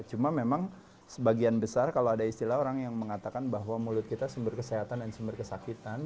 cuma memang sebagian besar kalau ada istilah orang yang mengatakan bahwa mulut kita sumber kesehatan dan sumber kesakitan